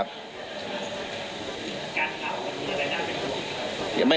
ไม่มี